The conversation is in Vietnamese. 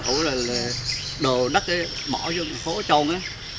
ổ là đồ đất bỏ vô phố trôn ấy